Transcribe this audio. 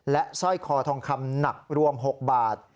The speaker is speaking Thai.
สร้อยคอทองคำหนักรวม๖บาท